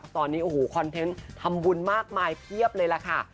ตอนนี้โอ้โหคอนเทนต์ทำบุญมากมายเพียบเลยล่ะค่ะ